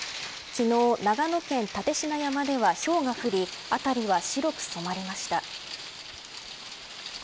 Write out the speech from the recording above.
昨日、長野県蓼科山ではひょうが降り辺りは白く染まりました。